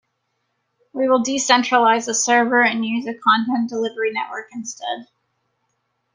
We will decentralize the server and use a content delivery network instead.